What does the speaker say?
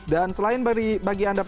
dan selain bagi anda para pelanggan